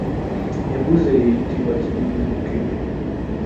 Embuzi eyo eyitibwa kiyinduke.